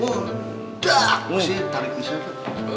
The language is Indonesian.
oh takut sih tarik di siapa